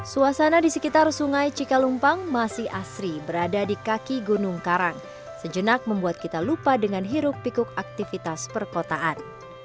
suasana di sekitar sungai cikalumpang masih asri berada di kaki gunung karang sejenak membuat kita lupa dengan hiruk pikuk aktivitas perkotaan